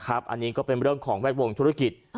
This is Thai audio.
อันนี้ก็เป็นเรื่องของแวดวงธุรกิจ